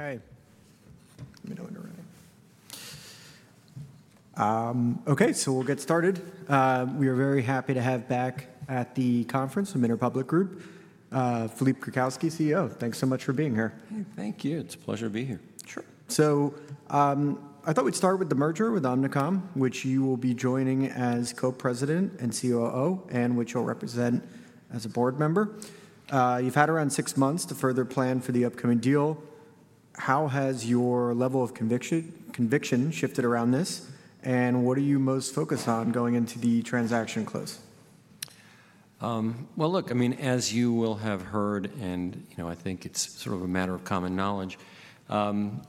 Okay. Okay, so we'll get started. We are very happy to have back at the conference Interpublic Group, Philippe Krakowsky, CEO. Thanks so much for being here. Thank you. It's a pleasure to be here. Sure. I thought we'd start with the merger with Omnicom, which you will be joining as Co-President and COO, and which you'll represent as a board member. You've had around six months to further plan for the upcoming deal. How has your level of conviction shifted around this, and what are you most focused on going into the transaction close? Look, I mean, as you will have heard, and I think it's sort of a matter of common knowledge, John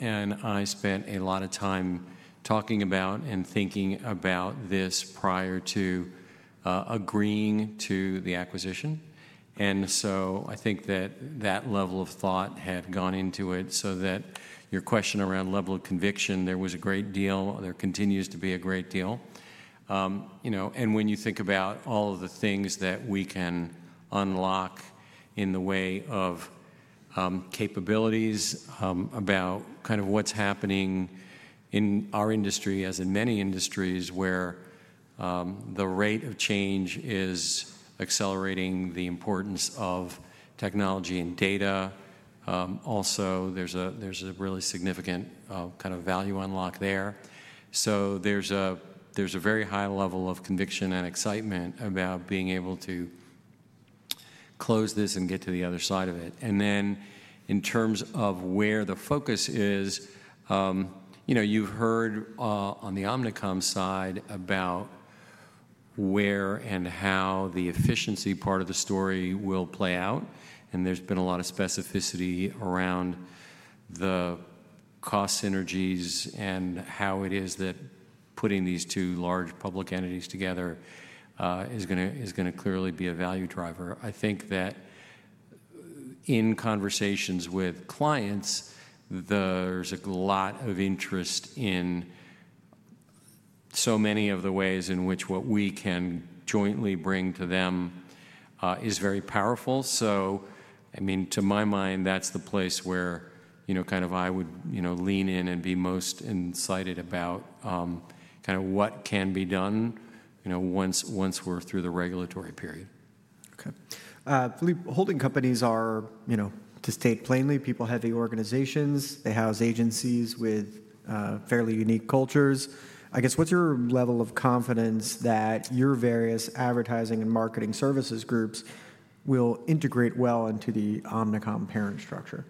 and I spent a lot of time talking about and thinking about this prior to agreeing to the acquisition. I think that that level of thought had gone into it so that your question around level of conviction, there was a great deal. There continues to be a great deal. When you think about all of the things that we can unlock in the way of capabilities, about kind of what's happening in our industry, as in many industries, where the rate of change is accelerating the importance of technology and data, also there's a really significant kind of value unlock there. There is a very high level of conviction and excitement about being able to close this and get to the other side of it. In terms of where the focus is, you've heard on the Omnicom side about where and how the efficiency part of the story will play out. There's been a lot of specificity around the cost synergies and how it is that putting these two large public entities together is going to clearly be a value driver. I think that in conversations with clients, there's a lot of interest in so many of the ways in which what we can jointly bring to them is very powerful. I mean, to my mind, that's the place where kind of I would lean in and be most incited about kind of what can be done once we're through the regulatory period. Okay. Philippe, holding companies are, to state plainly, people-heavy organizations. They house agencies with fairly unique cultures. I guess, what's your level of confidence that your various advertising and marketing services groups will integrate well into the Omnicom parent structure?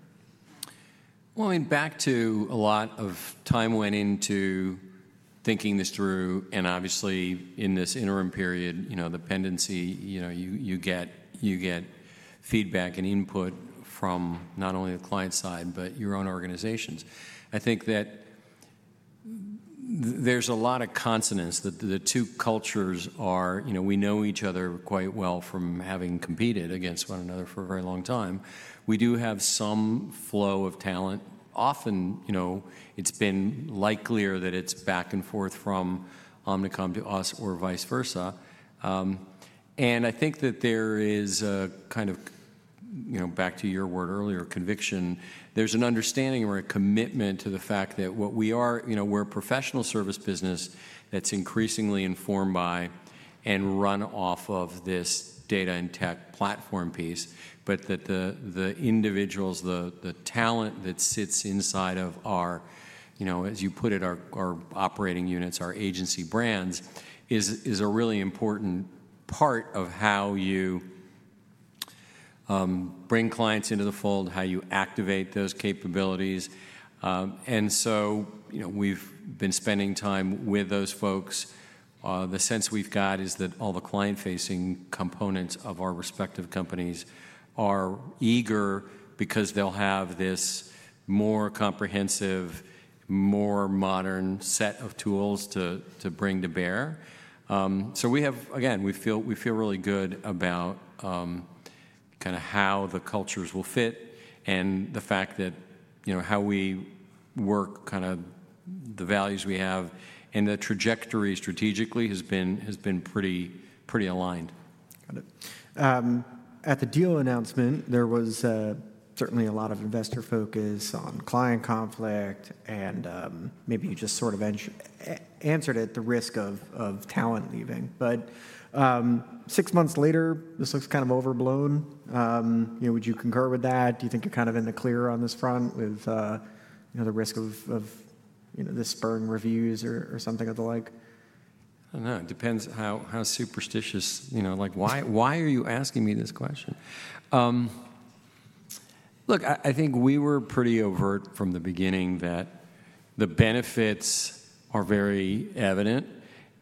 I mean, back to a lot of time went into thinking this through. Obviously, in this interim period, the pendency, you get feedback and input from not only the client side, but your own organizations. I think that there's a lot of consonance that the two cultures are we know each other quite well from having competed against one another for a very long time. We do have some flow of talent. Often, it's been likelier that it's back and forth from Omnicom to us or vice versa. I think that there is a kind of, back to your word earlier, conviction. There's an understanding or a commitment to the fact that what we are, we're a professional service business that's increasingly informed by and run off of this data and tech platform piece, but that the individuals, the talent that sits inside of our, as you put it, our operating units, our agency brands, is a really important part of how you bring clients into the fold, how you activate those capabilities. We've been spending time with those folks. The sense we've got is that all the client-facing components of our respective companies are eager because they'll have this more comprehensive, more modern set of tools to bring to bear. We have, again, we feel really good about kind of how the cultures will fit and the fact that how we work, kind of the values we have and the trajectory strategically has been pretty aligned. Got it. At the deal announcement, there was certainly a lot of investor focus on client conflict, and maybe you just sort of answered it, the risk of talent leaving. Six months later, this looks kind of overblown. Would you concur with that? Do you think you're kind of in the clear on this front with the risk of this spurring reviews or something of the like? I don't know. It depends how superstitious. Why are you asking me this question? Look, I think we were pretty overt from the beginning that the benefits are very evident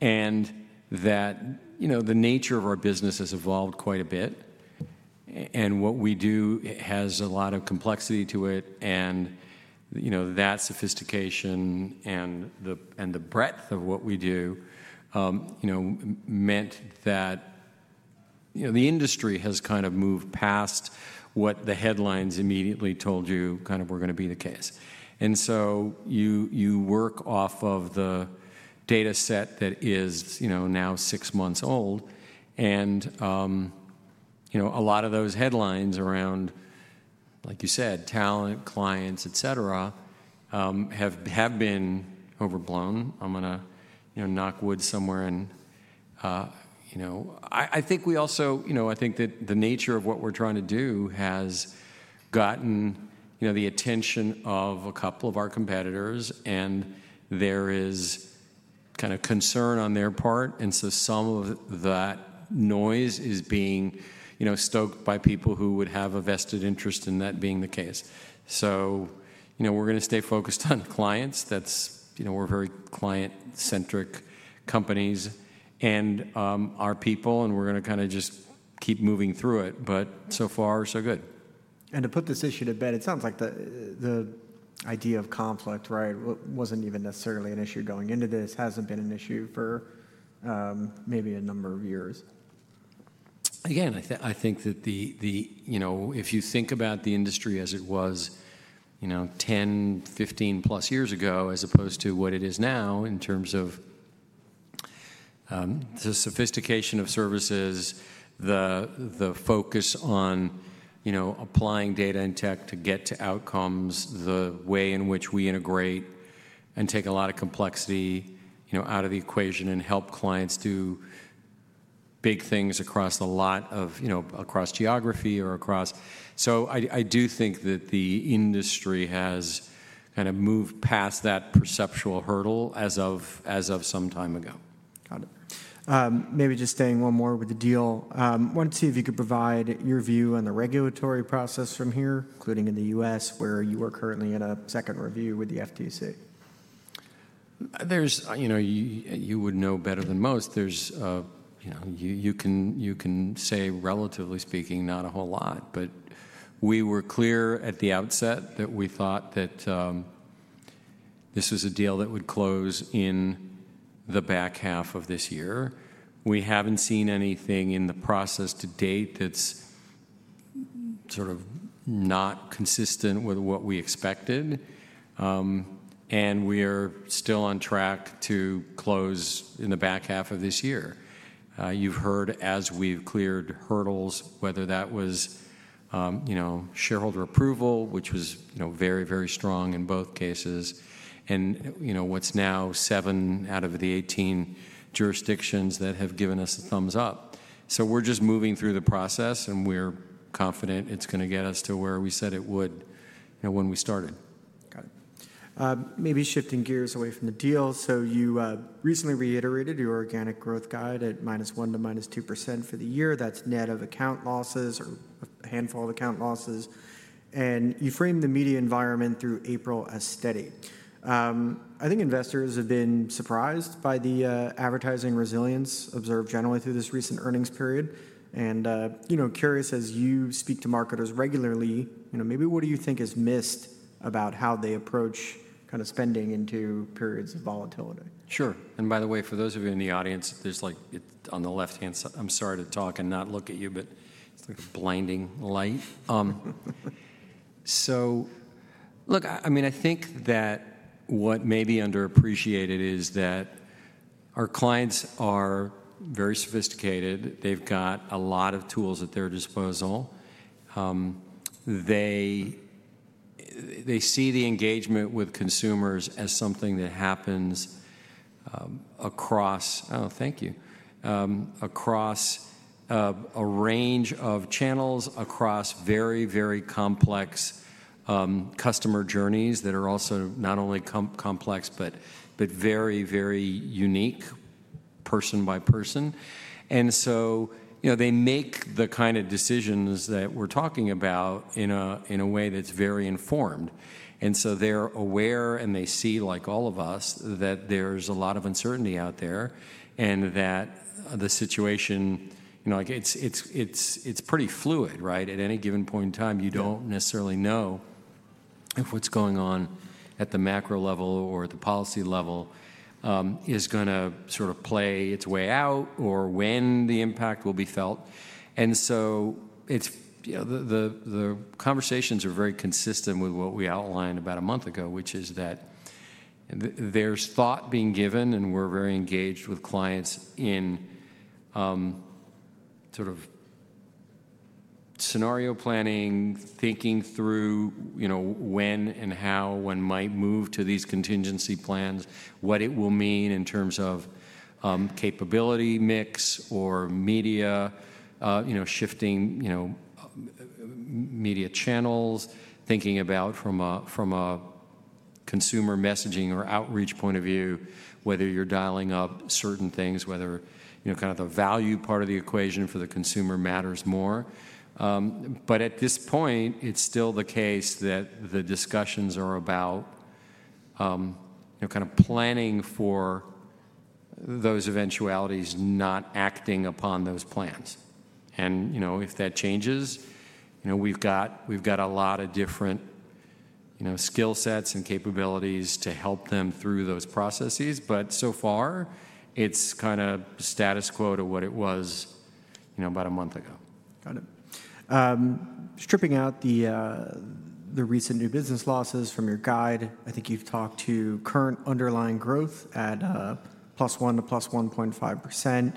and that the nature of our business has evolved quite a bit. What we do has a lot of complexity to it. That sophistication and the breadth of what we do meant that the industry has kind of moved past what the headlines immediately told you kind of were going to be the case. You work off of the data set that is now six months old. A lot of those headlines around, like you said, talent, clients, et cetera, have been overblown. I'm going to knock wood somewhere and I think we also, I think that the nature of what we're trying to do has gotten the attention of a couple of our competitors, and there is kind of concern on their part. There is kind of concern on their part. Some of that noise is being stoked by people who would have a vested interest in that being the case. We're going to stay focused on clients. We're very client-centric companies and our people, and we're going to kind of just keep moving through it. But so far, so good. To put this issue to bed, it sounds like the idea of conflict, right, was not even necessarily an issue going into this, has not been an issue for maybe a number of years. Again, I think that if you think about the industry as it was 10, 15+ years ago, as opposed to what it is now in terms of the sophistication of services, the focus on applying data and tech to get to outcomes, the way in which we integrate and take a lot of complexity out of the equation and help clients do big things across a lot of geography or across. I do think that the industry has kind of moved past that perceptual hurdle as of some time ago. Got it. Maybe just staying one more with the deal, I want to see if you could provide your view on the regulatory process from here, including in the U.S., where you are currently in a second review with the FTC. You would know better than most. You can say, relatively speaking, not a whole lot, but we were clear at the outset that we thought that this was a deal that would close in the back half of this year. We have not seen anything in the process to date that is sort of not consistent with what we expected. We are still on track to close in the back half of this year. You have heard, as we have cleared hurdles, whether that was shareholder approval, which was very, very strong in both cases, and what is now seven out of the 18 jurisdictions that have given us a thumbs up. We are just moving through the process, and we are confident it is going to get us to where we said it would when we started. Got it. Maybe shifting gears away from the deal. You recently reiterated your organic growth guide at -1% to -2% for the year. That's net of account losses or a handful of account losses. You framed the media environment through April as steady. I think investors have been surprised by the advertising resilience observed generally through this recent earnings period. Curious, as you speak to marketers regularly, what do you think is missed about how they approach kind of spending into periods of volatility? Sure. And by the way, for those of you in the audience, there's on the left-hand side, I'm sorry to talk and not look at you, but it's like a blinding light. Look, I mean, I think that what may be underappreciated is that our clients are very sophisticated. They've got a lot of tools at their disposal. They see the engagement with consumers as something that happens across, oh, thank you, across a range of channels, across very, very complex customer journeys that are also not only complex, but very, very unique person by person. They make the kind of decisions that we're talking about in a way that's very informed. They are aware and they see, like all of us, that there's a lot of uncertainty out there and that the situation, it's pretty fluid, right? At any given point in time, you don't necessarily know if what's going on at the macro level or at the policy level is going to sort of play its way out or when the impact will be felt. The conversations are very consistent with what we outlined about a month ago, which is that there's thought being given, and we're very engaged with clients in sort of scenario planning, thinking through when and how one might move to these contingency plans, what it will mean in terms of capability mix or media shifting, media channels, thinking about from a consumer messaging or outreach point of view, whether you're dialing up certain things, whether kind of the value part of the equation for the consumer matters more. At this point, it's still the case that the discussions are about kind of planning for those eventualities, not acting upon those plans. If that changes, we've got a lot of different skill sets and capabilities to help them through those processes. So far, it's kind of status quo to what it was about a month ago. Got it. Stripping out the recent new business losses from your guide, I think you've talked to current underlying growth at +1% to +1.5%.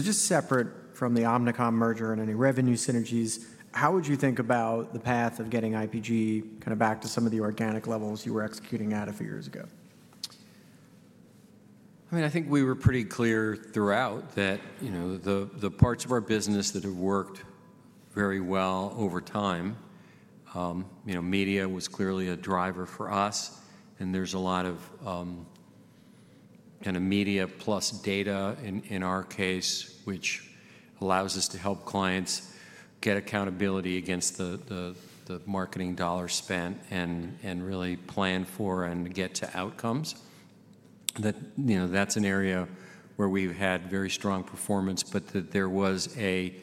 Just separate from the Omnicom merger and any revenue synergies, how would you think about the path of getting IPG kind of back to some of the organic levels you were executing at a few years ago? I mean, I think we were pretty clear throughout that the parts of our business that have worked very well over time, media was clearly a driver for us. There is a lot of kind of media plus data in our case, which allows us to help clients get accountability against the marketing dollar spent and really plan for and get to outcomes. That is an area where we have had very strong performance, but there was a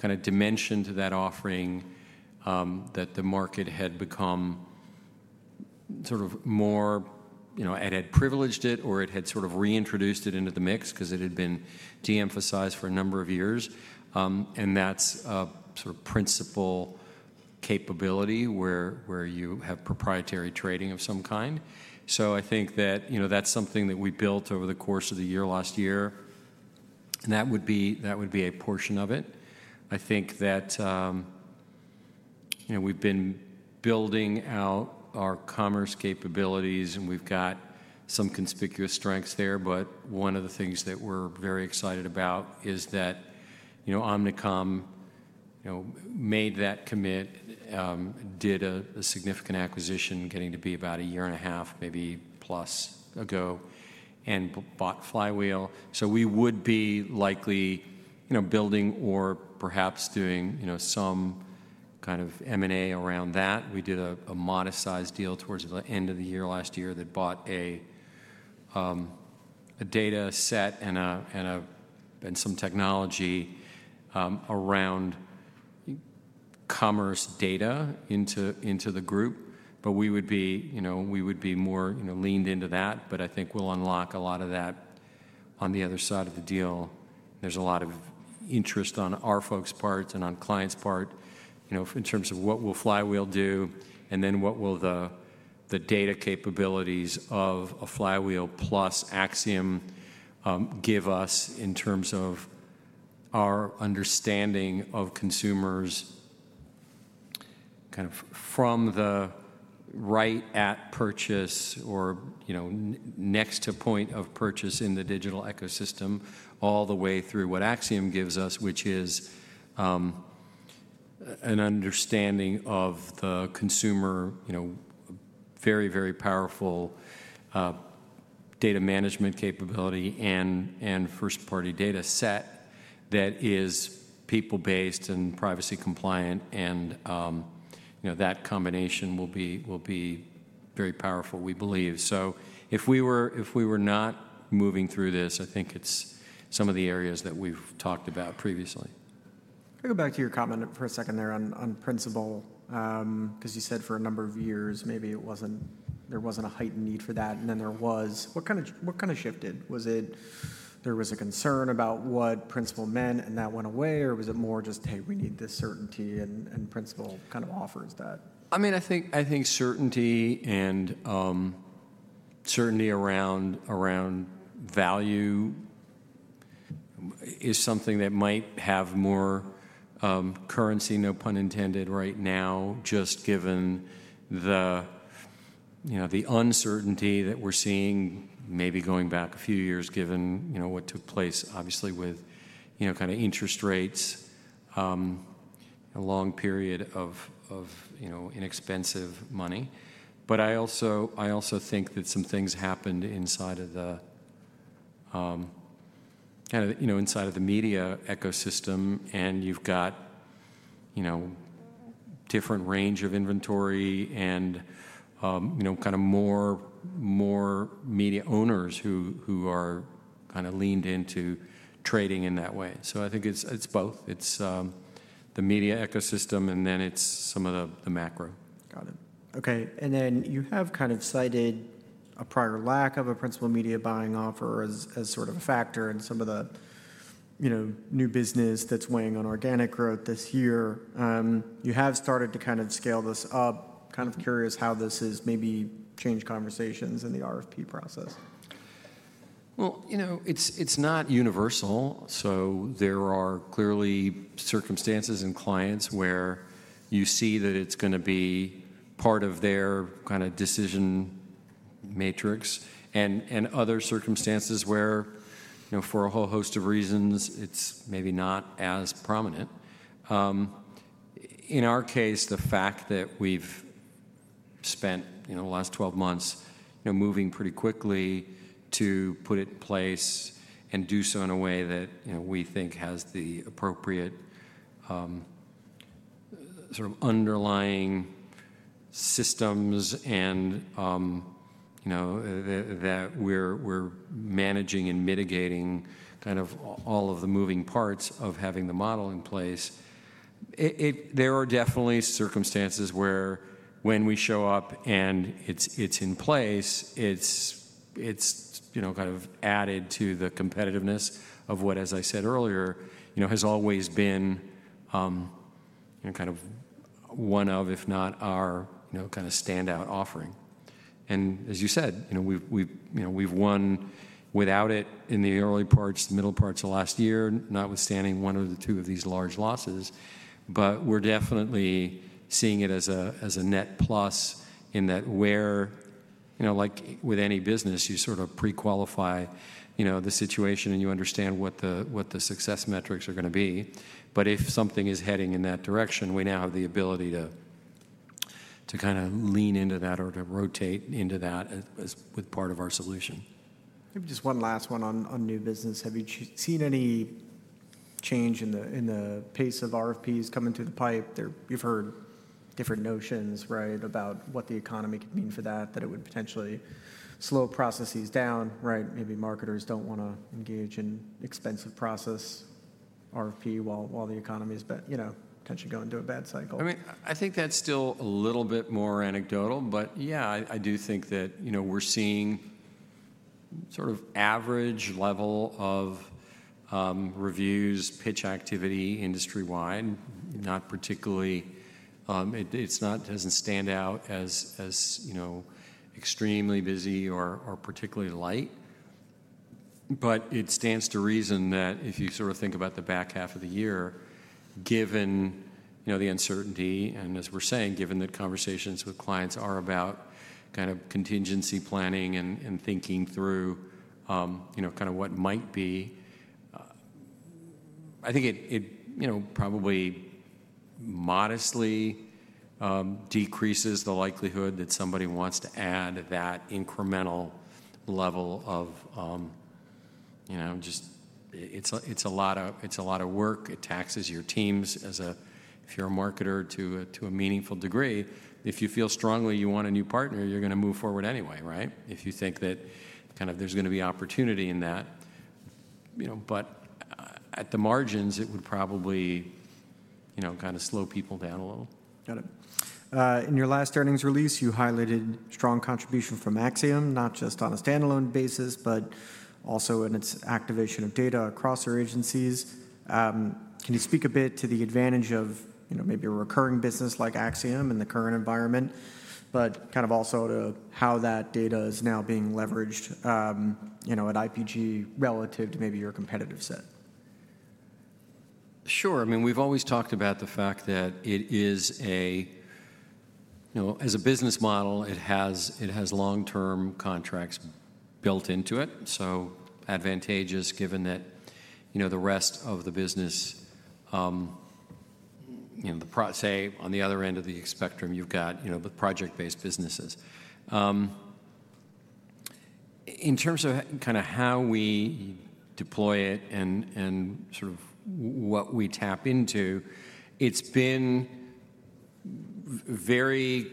kind of dimension to that offering that the market had become sort of more, it had privileged it or it had sort of reintroduced it into the mix because it had been de-emphasized for a number of years. That is a sort of principal capability where you have proprietary trading of some kind. I think that is something that we built over the course of the year last year. That would be a portion of it. I think that we've been building out our commerce capabilities, and we've got some conspicuous strengths there. One of the things that we're very excited about is that Omnicom made that commit, did a significant acquisition, getting to be about a year and a half, maybe plus ago, and bought Flywheel. We would be likely building or perhaps doing some kind of M&A around that. We did a modest sized deal towards the end of the year last year that bought a data set and some technology around commerce data into the group. We would be more leaned into that. I think we'll unlock a lot of that on the other side of the deal. There's a lot of interest on our folks' parts and on clients' part in terms of what will Flywheel do and then what will the data capabilities of a Flywheel plus Acxiom give us in terms of our understanding of consumers kind of from the right at purchase or next to point of purchase in the digital ecosystem all the way through what Acxiom gives us, which is an understanding of the consumer, very, very powerful data management capability and first-party data set that is people-based and privacy compliant. That combination will be very powerful, we believe. If we were not moving through this, I think it's some of the areas that we've talked about previously. Can I go back to your comment for a second there on principal? Because you said for a number of years, maybe there was not a heightened need for that, and then there was. What kind of shifted? Was it there was a concern about what principal meant and that went away, or was it more just, "Hey, we need this certainty," and principal kind of offers that? I mean, I think certainty and certainty around value is something that might have more currency, no pun intended, right now, just given the uncertainty that we're seeing maybe going back a few years given what took place, obviously, with kind of interest rates, a long period of inexpensive money. I also think that some things happened inside of the kind of inside of the media ecosystem, and you've got different range of inventory and kind of more media owners who are kind of leaned into trading in that way. I think it's both. It's the media ecosystem, and then it's some of the macro. Got it. Okay. You have kind of cited a prior lack of a principal media buying offer as sort of a factor in some of the new business that's weighing on organic growth this year. You have started to kind of scale this up. Kind of curious how this has maybe changed conversations in the RFP process. It is not universal. There are clearly circumstances and clients where you see that it is going to be part of their kind of decision matrix and other circumstances where, for a whole host of reasons, it is maybe not as prominent. In our case, the fact that we have spent the last 12 months moving pretty quickly to put it in place and do so in a way that we think has the appropriate sort of underlying systems and that we are managing and mitigating kind of all of the moving parts of having the model in place. There are definitely circumstances where when we show up and it is in place, it is kind of added to the competitiveness of what, as I said earlier, has always been kind of one of, if not our kind of standout offering. As you said, we've won without it in the early parts, the middle parts of last year, notwithstanding one or two of these large losses. We're definitely seeing it as a net plus in that, like with any business, you sort of pre-qualify the situation and you understand what the success metrics are going to be. If something is heading in that direction, we now have the ability to kind of lean into that or to rotate into that as part of our solution. Maybe just one last one on new business. Have you seen any change in the pace of RFPs coming through the pipe? You've heard different notions, right, about what the economy could mean for that, that it would potentially slow processes down, right? Maybe marketers don't want to engage in expensive process RFP while the economy is potentially going to a bad cycle. I mean, I think that's still a little bit more anecdotal. But yeah, I do think that we're seeing sort of average level of reviews, pitch activity industry-wide. Not particularly, it doesn't stand out as extremely busy or particularly light. It stands to reason that if you sort of think about the back half of the year, given the uncertainty and as we're saying, given that conversations with clients are about kind of contingency planning and thinking through kind of what might be, I think it probably modestly decreases the likelihood that somebody wants to add that incremental level of just it's a lot of work. It taxes your teams as a, if you're a marketer, to a meaningful degree. If you feel strongly you want a new partner, you're going to move forward anyway, right? If you think that kind of there's going to be opportunity in that. At the margins, it would probably kind of slow people down a little. Got it. In your last earnings release, you highlighted strong contribution from Acxiom, not just on a standalone basis, but also in its activation of data across our agencies. Can you speak a bit to the advantage of maybe a recurring business like Acxiom in the current environment, but kind of also to how that data is now being leveraged at IPG relative to maybe your competitive set? Sure. I mean, we've always talked about the fact that it is a, as a business model, it has long-term contracts built into it. So advantageous given that the rest of the business, say, on the other end of the spectrum, you've got the project-based businesses. In terms of kind of how we deploy it and sort of what we tap into, it's been very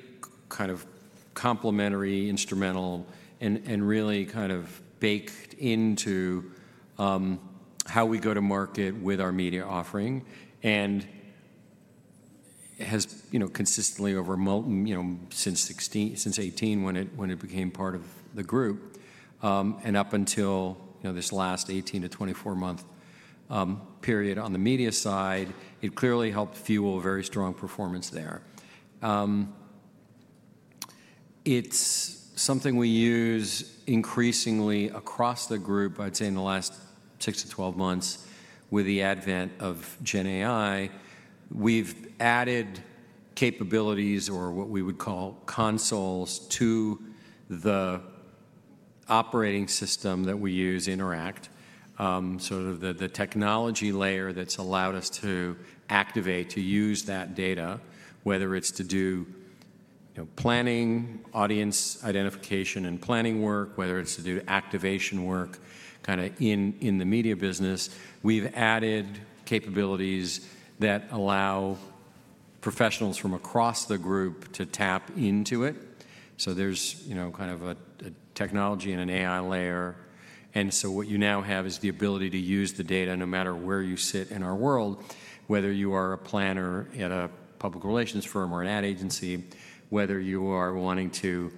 kind of complementary, instrumental, and really kind of baked into how we go to market with our media offering. It has consistently over since 2018 when it became part of the group and up until this last 18-months to 24-month period on the media side, it clearly helped fuel a very strong performance there. It's something we use increasingly across the group, I'd say in the last 6 months-12 months with the advent of GenAI. We've added capabilities or what we would call consoles to the operating system that we use, InterACT, sort of the technology layer that's allowed us to activate to use that data, whether it's to do planning, audience identification and planning work, whether it's to do activation work kind of in the media business. We've added capabilities that allow professionals from across the group to tap into it. There is kind of a technology and an AI layer. What you now have is the ability to use the data no matter where you sit in our world, whether you are a planner at a public relations firm or an ad agency, whether you are wanting to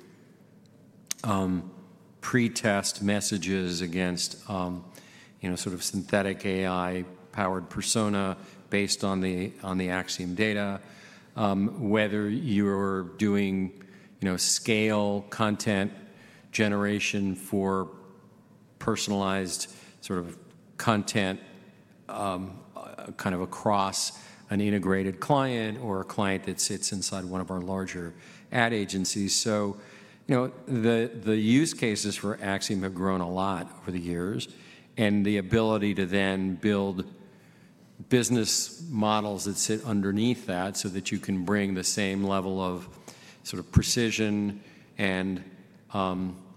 pretest messages against sort of synthetic AI-powered persona based on the Acxiom data, whether you're doing scale content generation for personalized sort of content kind of across an integrated client or a client that sits inside one of our larger ad agencies. The use cases for Acxiom have grown a lot over the years and the ability to then build business models that sit underneath that so that you can bring the same level of sort of precision and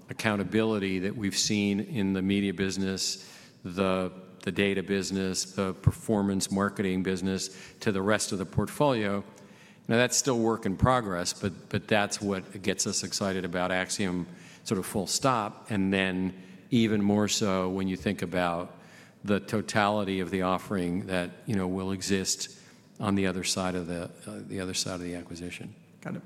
accountability that we've seen in the media business, the data business, the performance marketing business to the rest of the portfolio. Now, that's still work in progress, but that's what gets us excited about Acxiom, sort of full stop. And then even more so when you think about the totality of the offering that will exist on the other side of the acquisition. Got it.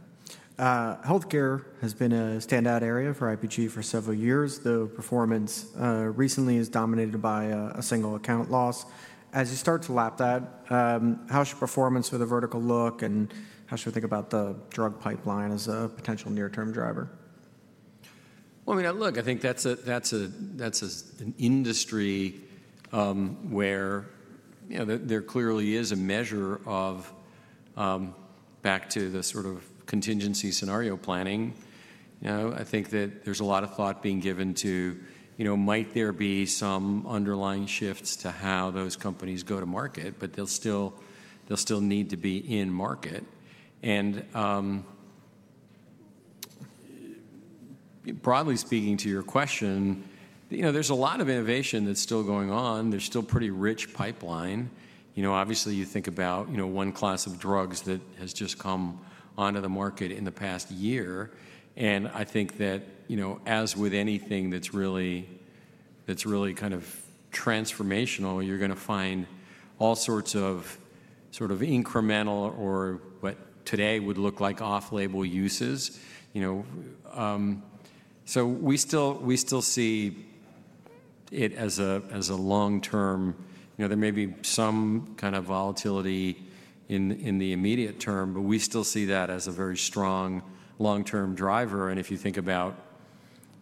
Healthcare has been a standout area for IPG for several years. The performance recently is dominated by a single account loss. As you start to lap that, how's your performance with a vertical look and how should we think about the drug pipeline as a potential near-term driver? I mean, look, I think that's an industry where there clearly is a measure of back to the sort of contingency scenario planning. I think that there's a lot of thought being given to might there be some underlying shifts to how those companies go to market, but they'll still need to be in market. Broadly speaking to your question, there's a lot of innovation that's still going on. There's still pretty rich pipeline. Obviously, you think about one class of drugs that has just come onto the market in the past year. I think that as with anything that's really kind of transformational, you're going to find all sorts of sort of incremental or what today would look like off-label uses. We still see it as a long-term. There may be some kind of volatility in the immediate term, but we still see that as a very strong long-term driver. If you think about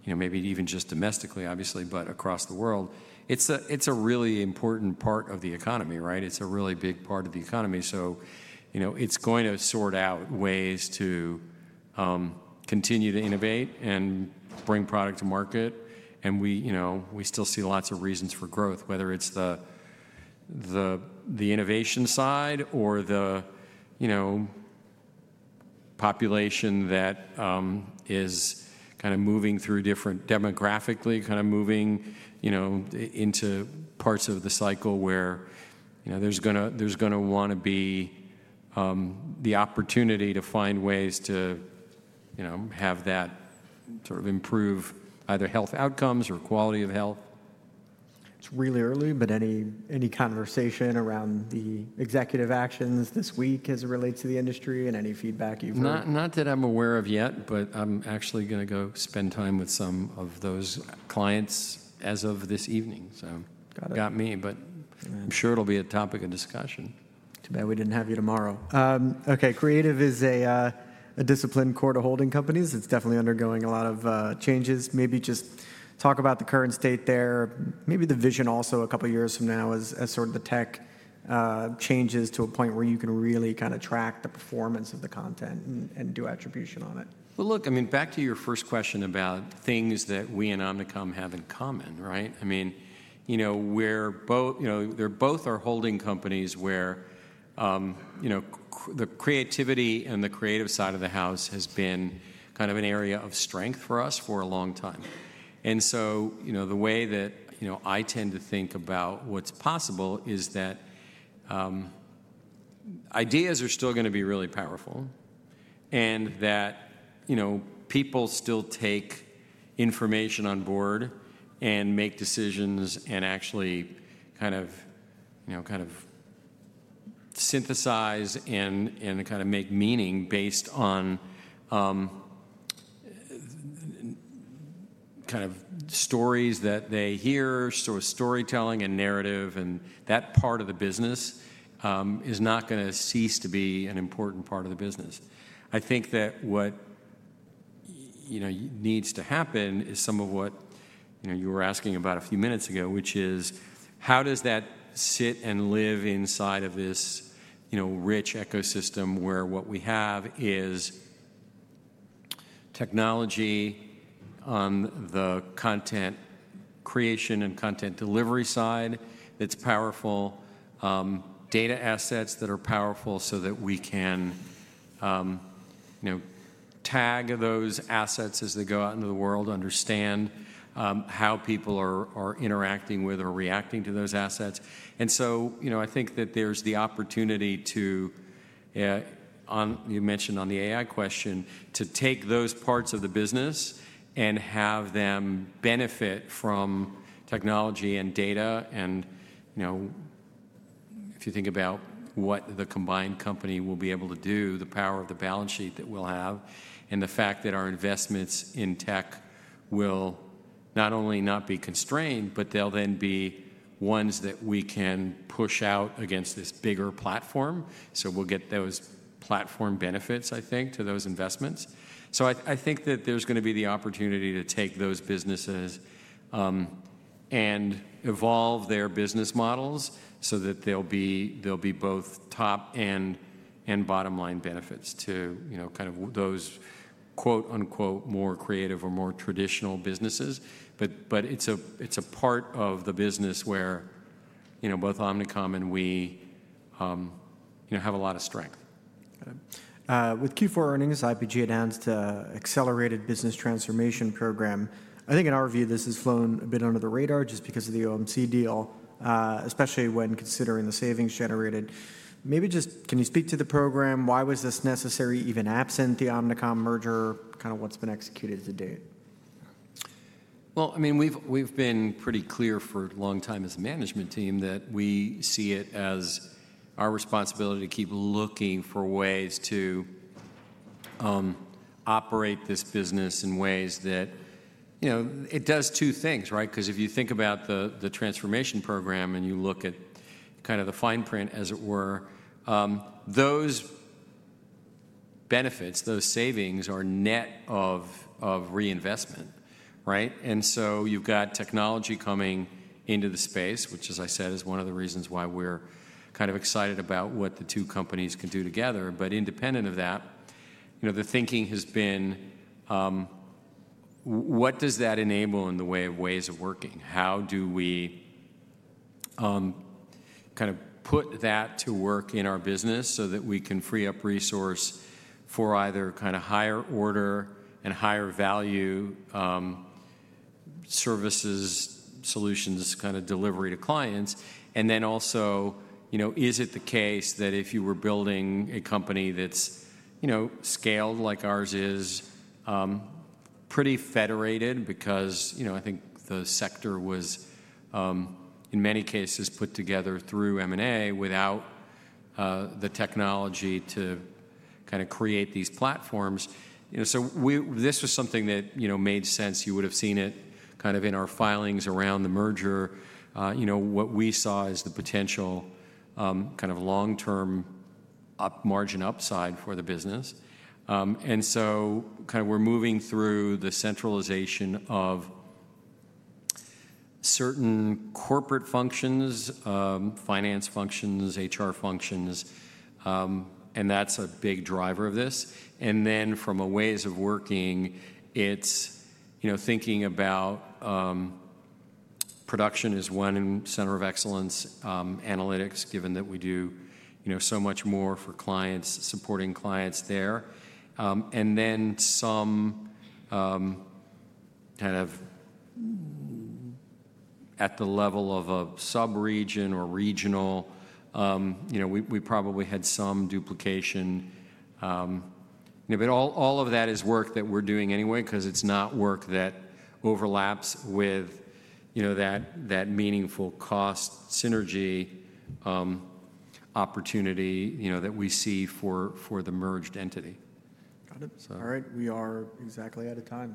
maybe even just domestically, obviously, but across the world, it is a really important part of the economy, right? It is a really big part of the economy. It is going to sort out ways to continue to innovate and bring product to market. We still see lots of reasons for growth, whether it is the innovation side or the population that is kind of moving through different demographically, kind of moving into parts of the cycle where there is going to want to be the opportunity to find ways to have that sort of improve either health outcomes or quality of health. It's really early, but any conversation around the executive actions this week as it relates to the industry and any feedback you've heard? Not that I'm aware of yet, but I'm actually going to go spend time with some of those clients as of this evening. Got me, but I'm sure it'll be a topic of discussion. Too bad we didn't have you tomorrow. Okay. Creative is a discipline core to holding companies. It's definitely undergoing a lot of changes. Maybe just talk about the current state there. Maybe the vision also a couple of years from now as sort of the tech changes to a point where you can really kind of track the performance of the content and do attribution on it. Look, I mean, back to your first question about things that we and Omnicom have in common, right? I mean, they're both holding companies where the creativity and the creative side of the house has been kind of an area of strength for us for a long time. The way that I tend to think about what's possible is that ideas are still going to be really powerful and that people still take information on board and make decisions and actually kind of synthesize and kind of make meaning based on kind of stories that they hear, sort of storytelling and narrative. That part of the business is not going to cease to be an important part of the business. I think that what needs to happen is some of what you were asking about a few minutes ago, which is how does that sit and live inside of this rich ecosystem where what we have is technology on the content creation and content delivery side that's powerful, data assets that are powerful so that we can tag those assets as they go out into the world, understand how people are interacting with or reacting to those assets. I think that there's the opportunity to, you mentioned on the AI question, to take those parts of the business and have them benefit from technology and data. If you think about what the combined company will be able to do, the power of the balance sheet that we'll have, and the fact that our investments in tech will not only not be constrained, but they'll then be ones that we can push out against this bigger platform. We will get those platform benefits, I think, to those investments. I think that there's going to be the opportunity to take those businesses and evolve their business models so that there'll be both top and bottom line benefits to kind of those "more creative" or more traditional businesses. It is a part of the business where both Omnicom and we have a lot of strength. With Q4 earnings, IPG announced an accelerated business transformation program. I think in our view, this has flown a bit under the radar just because of the OMC deal, especially when considering the savings generated. Maybe just can you speak to the program? Why was this necessary even absent the Omnicom merger? Kind of what's been executed to date? I mean, we've been pretty clear for a long time as a management team that we see it as our responsibility to keep looking for ways to operate this business in ways that it does two things, right? Because if you think about the transformation program and you look at kind of the fine print, as it were, those benefits, those savings are net of reinvestment, right? And so you've got technology coming into the space, which, as I said, is one of the reasons why we're kind of excited about what the two companies can do together. Independent of that, the thinking has been, what does that enable in the way of ways of working? How do we kind of put that to work in our business so that we can free up resource for either kind of higher order and higher value services, solutions, kind of delivery to clients? Also, is it the case that if you were building a company that's scaled like ours is pretty federated because I think the sector was in many cases put together through M&A without the technology to kind of create these platforms? This was something that made sense. You would have seen it in our filings around the merger. What we saw is the potential kind of long-term margin upside for the business. We are moving through the centralization of certain corporate functions, finance functions, HR functions, and that's a big driver of this. From a ways of working, it's thinking about production as one center of excellence, analytics, given that we do so much more for clients, supporting clients there. At the level of a sub-region or regional, we probably had some duplication. All of that is work that we're doing anyway because it's not work that overlaps with that meaningful cost synergy opportunity that we see for the merged entity. Got it. All right. We are exactly out of time.